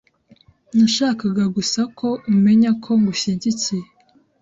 Nashakaga gusa ko umenya ko ngushyigikiye .